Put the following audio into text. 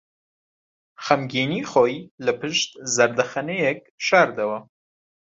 خەمگینیی خۆی لەپشت زەردەخەنەیەک شاردەوە.